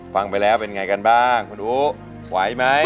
ฟังไปแล้วเป็นไงกันบ้างคุณอู๋ไหวไหม